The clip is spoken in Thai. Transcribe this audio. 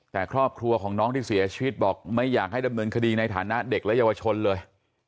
แต่ครอบครัวของน้องที่เสียชีวิตบอกไม่อยากให้ดำเนินคดีในฐานะเด็กและเยาวชนเลย